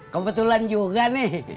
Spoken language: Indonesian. kebetulan juga nih